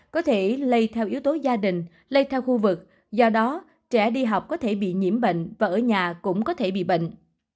có thể lây theo yếu tố gia đình lây theo khu vực do đó trẻ đi học có thể bị nhiễm bệnh và ở nhà cũng có thể bị bệnh